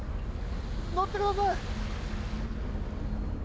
乗ってください。